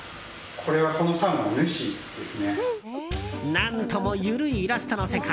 何とも緩いイラストの世界。